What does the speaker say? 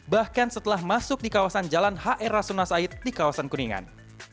bahkan setelah masuk di kawasan jalan hr rasuna said di kawasan kuningan